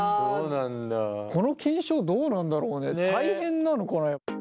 この検証どうなんだろうね大変なのかな？